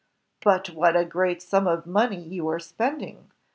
"But what a great sum of money you are spending.